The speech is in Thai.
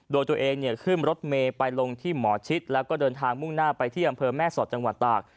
โดยตัวเองเนี่ยขึ้นรถเมย์ไปลงที่หมอชิดแล้วก็เดินทางมุ่งหน้าไปที่อำเภอแม่สอดจังหวัดตาก